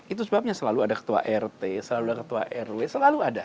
itu sebabnya selalu ada ketua rt selalu ada ketua rw selalu ada